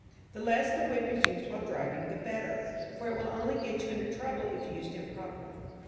The less the whip is used while driving, the better, for it will only get you into trouble if used improperly.